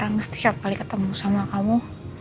gimana ya jujur sekarang setiap kali ketemu sama kamu